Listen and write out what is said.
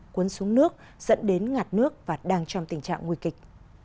cuốn xuống nước dẫn đến ngạt nước và đang trong tình trạng nguy kịch